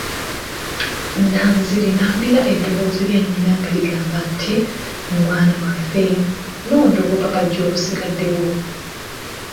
Nanziri n'awulira eddoboozi lya nnyina nga ligamba nti, mwana waffe, londa obupapajjo obusigaddewo.